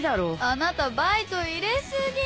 あなたバイト入れ過ぎ！